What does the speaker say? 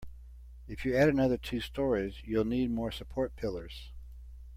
If you add another two storeys, you'll need more support pillars.